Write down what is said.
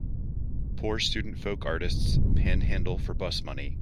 Poor student folk artists panhandle for bus money.